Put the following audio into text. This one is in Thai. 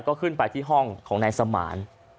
ก็ขึ้นไปที่ห้องของนายสมาน